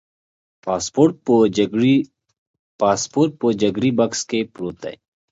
پاسپورت په جګري بکس کې پروت دی.